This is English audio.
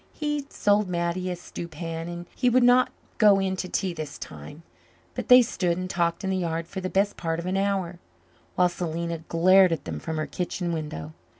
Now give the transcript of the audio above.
He sold Mattie a stew pan and he would not go in to tea this time, but they stood and talked in the yard for the best part of an hour, while Selena glared at them from her kitchen window.